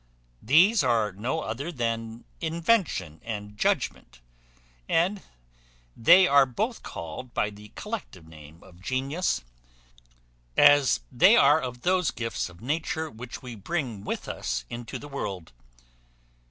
These are no other than invention and judgment; and they are both called by the collective name of genius, as they are of those gifts of nature which we bring with us into the world.